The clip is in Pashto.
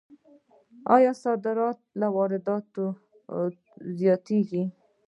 آیا صادرات له وارداتو زیاتیږي؟